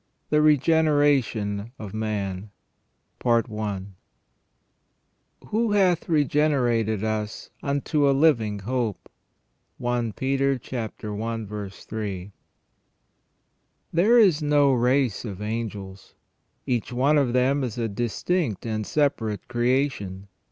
THE REGENERATION OF MAN. *' Who hath regenerated us unto a living hope." — i Peter i. 3. THERE is no race of angels ; each one of them is a distinct and separate creation.